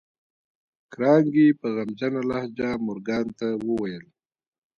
کارنګي په غمجنه لهجه مورګان ته وویل